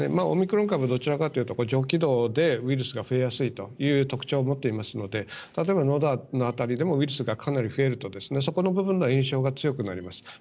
オミクロン株はどちらかというと上気道でウイルスが増えやすいという特徴を持っていますので例えば、のどの辺りでウイルスがかなり増えるとそこの部分の炎症が強くなります。